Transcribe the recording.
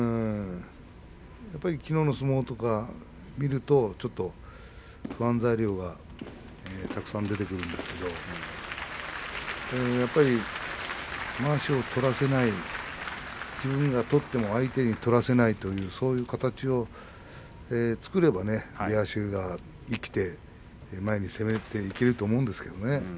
きのうの相撲とか見ると不安材料がたくさん出てくるんですがやっぱりまわしを取らせない自分が取っても相手に取らせないという、そういう形を作れば出足が生きて前に攻めていけると思うんですがね。